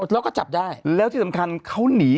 แล้วก็จับได้แล้วที่สำคัญเขาหนี